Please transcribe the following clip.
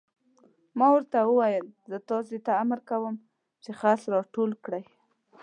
ما ورته وویل: زه تاسې ته امر کوم چې خس را ټول کړئ.